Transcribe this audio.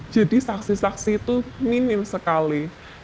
jadi saksi saksi itu minim sekali